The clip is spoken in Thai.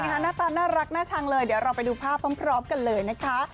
หน้าตาน่ารักน่าชังเลยเดี๋ยวเราไปดูภาพพร้อมกันเลยนะคะ